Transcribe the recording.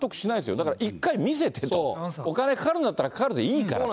だから１回見せてと、お金かかるんだったらかかるでいいから。